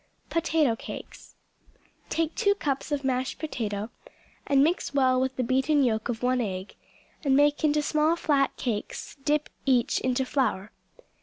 Potato Cakes Take two cups of mashed potato, and mix well with the beaten yolk of one egg, and make into small flat cakes; dip each into flour.